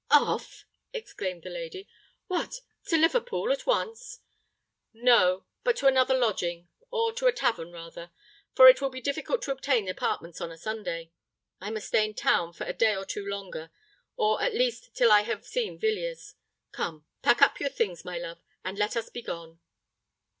"Off!" exclaimed the lady: "what—to Liverpool at once?" "No: but to another lodging—or to a tavern rather—for it will be difficult to obtain apartments on a Sunday. I must stay in town for a day or two longer—or at least till I have seen Villiers. Come—pack up your things, my love—and let us be gone."